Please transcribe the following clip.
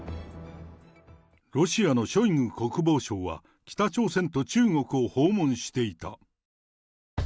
ロシアのショイグ国防相は、北朝鮮と中国を訪問していた。